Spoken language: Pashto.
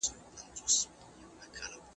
درد به په تدریجي ډول ارام کړل شي.